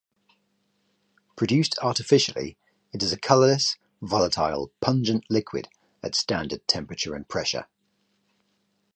Produced artificially, it is a colorless, volatile, pungent liquid at standard temperature and pressure.